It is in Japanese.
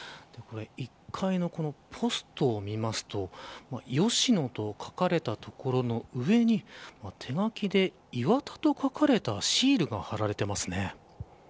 １階のポストを見ますと吉野と書かれた所の上に手書きでイワタと書かれたシールが貼られていますね。